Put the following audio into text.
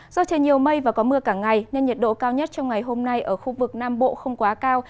do trời nhiều mây và có mưa cả ngày nên nhiệt độ cao nhất trong ngày hôm nay ở khu vực nam bộ không quá cao